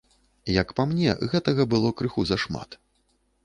Як па мне, гэтага было крыху зашмат.